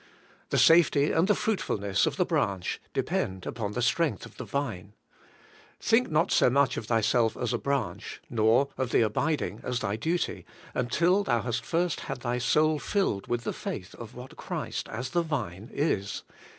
The safety and the fruitful ness of the branch depend upon the strength of the vine. Think not so much of thyself as a branch, nor 46 ABIDE IN CHBIST: of the abiding as thy duty, until thou hast first had thy soul filled with the faith of what Christ as the Vine is.